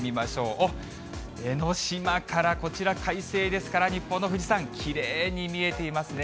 おっ、江の島からこちら快晴ですから、日本の富士山、きれいに見えていますね。